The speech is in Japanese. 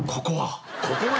ここは？